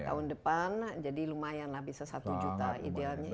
tahun depan jadi lumayan abisnya satu juta idealnya ya